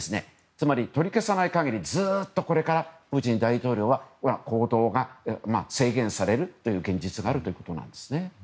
つまり、取り消さない限りずっとこれからプーチン大統領は行動が制限されるという現実があるということです。